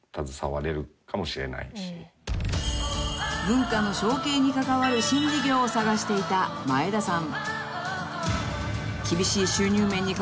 ［文化の承継に関わる新事業を探していた前田さん］